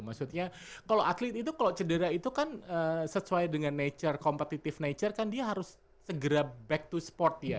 maksudnya kalau atlet itu kalau cedera itu kan sesuai dengan nature competitive nature kan dia harus segera back to sport ya